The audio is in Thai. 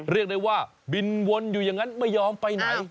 เรียกได้ว่าบินวนอยู่อย่างนั้นไม่ยอมไปไหน